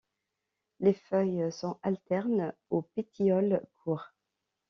Les feuilles sont alternes au pétiole court.